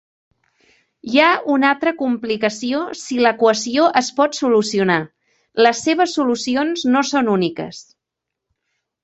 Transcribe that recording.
Hi ha una altra complicació si l'equació es pot solucionar: les seves solucion no són úniques.